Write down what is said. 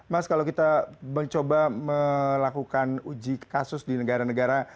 mas kalau kita mencoba melakukan uji kasus di negara negara